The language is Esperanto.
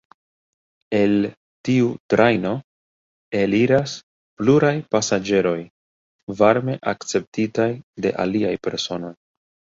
El tiu trajno eliras pluraj pasaĝeroj, varme akceptitaj de aliaj personoj.